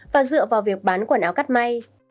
và dựa vào việc bán quần áo cắt may